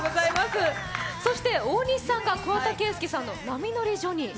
そして大西さんが桑田佳祐さんの「波乗りジョニー」。